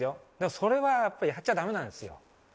それはやっぱりやっちゃだめなんですよ。